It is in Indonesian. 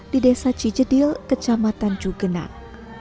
di desa cijedil kecamatan cugenang